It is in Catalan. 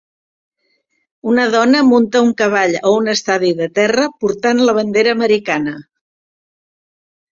Una dona munta un cavall a un estadi de terra portant la bandera americana